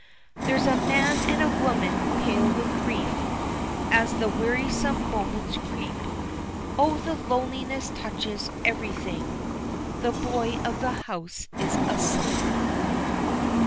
There's a man and a woman pale with grief, As the wearisome moments creep; Oh! the loneliness touches everything The boy of the house is asleep.